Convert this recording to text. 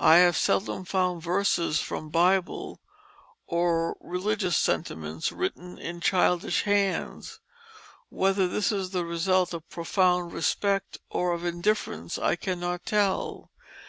I have seldom found verses from the Bible or religious sentiments written in childish hands. Whether this is the result of profound respect or of indifference I cannot tell.